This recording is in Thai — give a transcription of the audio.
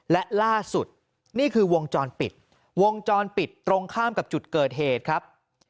และล่าสุดนี่คือวงจรปิดวงจรปิดตรงข้ามกับจุดเกิดเหตุครับ